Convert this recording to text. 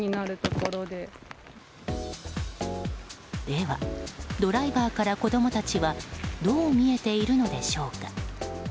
では、ドライバー側から子供たちはどう見えているのでしょうか。